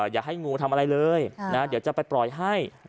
อย่าให้งูทำอะไรเลยเดี๋ยวจะไปปล่อยให้